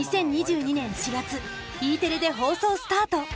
２０２２年４月Ｅテレで放送スタート。